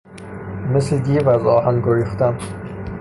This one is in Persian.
مثل دیو از آهن گریختن